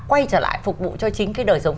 quay trở lại phục vụ cho chính cái đời sống